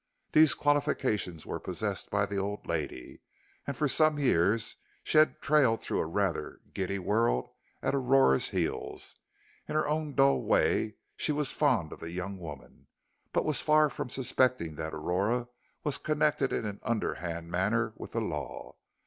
These qualifications were possessed by the old lady, and for some years she had trailed through a rather giddy world at Aurora's heels. In her own dull way she was fond of the young woman, but was far from suspecting that Aurora was connected in an underhand manner with the law.